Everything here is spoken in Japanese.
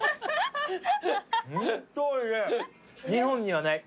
日本にはない。